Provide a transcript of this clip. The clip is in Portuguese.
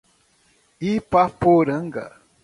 Ipaporanga